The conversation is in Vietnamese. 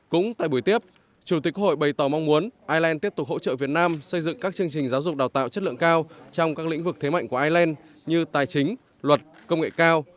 cũng tại buổi tiếp chủ tịch hội bày tỏ mong muốn ireland tiếp tục hỗ trợ việt nam xây dựng các chương trình giáo dục đào tạo chất lượng cao trong các lĩnh vực thế mạnh của ireland như tài chính luật công nghệ cao